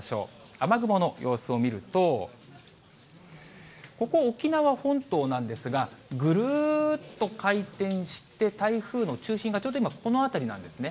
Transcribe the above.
雨雲の様子を見ると、ここ、沖縄本島なんですが、ぐるーっと回転して、台風の中心がちょうど今、この辺りなんですね。